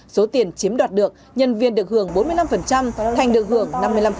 số tiền chiếm đoạt được nhân viên được hưởng bốn mươi năm thành được hưởng năm mươi năm